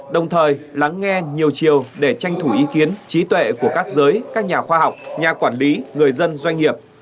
đồng thời lắng nghe nhiều chiều để tranh thủ ý kiến trí tuệ của các giới các nhà khoa học nhà quản lý người dân doanh nghiệp